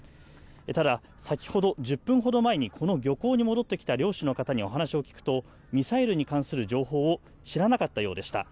ただ、先ほど１０分ほど前にこの漁港に戻ってきた漁師の方にお話を聞くと、ミサイルに関する情報を知らなかったようでした。